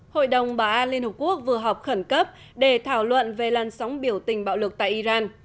hội đồng bà a liên hợp quốc vừa họp khẩn cấp để thảo luận về lăn sóng biểu tình bạo lực tại iran